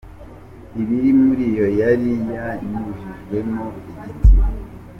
Ibiri muri yo yari yanyujijwemo igiti.